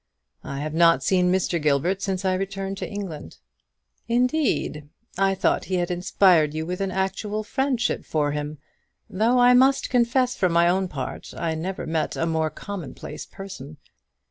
"I have not seen Mr. Gilbert since I returned to England." "Indeed! I thought he had inspired you with an actual friendship for him: though I must confess, for my own part, I never met a more commonplace person.